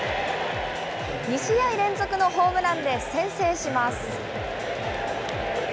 ２試合連続のホームランで先制します。